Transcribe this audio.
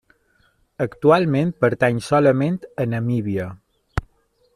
Actualment pertany solament a Namíbia.